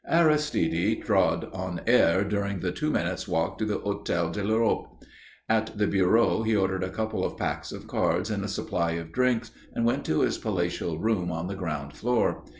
Aristide trod on air during the two minutes' walk to the Hôtel de l'Europe. At the bureau he ordered a couple of packs of cards and a supply of drinks and went to his palatial room on the ground floor.